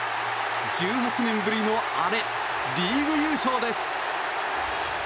１８年ぶりのアレリーグ優勝です！